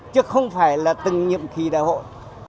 chứ không phải là từng nhiệm khí đại hội